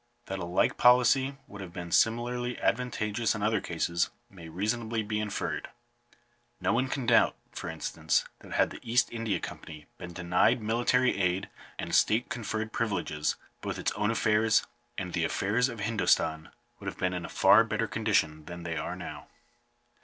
That a like policy would have been similarly advantageous in other cases, may reasonably be inferred. No one can doubt, for instance, that had the East India Company been denied military aid and state conferred privileges, both its own affairs, and the affairs of Hindostan, would have been in a far better condition than they now are.